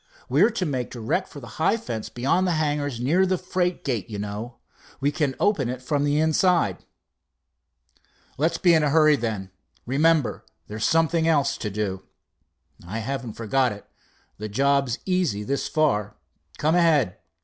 We're to make direct for the high fence behind the hangars. Near the freight gate, you know. We can open it from the inside." "Let's be in a hurry, then. Remember there's something else to do." "I haven't forgotten it. The job's easy this far. Come ahead."